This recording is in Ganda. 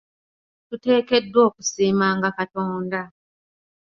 Tuteekeddwa okusiimanga Katonda.